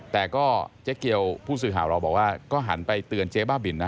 แต่ก็เจ๊เกียวผู้สื่อข่าวเราบอกว่าก็หันไปเตือนเจ๊บ้าบินนะ